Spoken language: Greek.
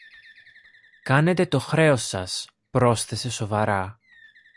Κάνετε το χρέος σας, πρόσθεσε σοβαρά.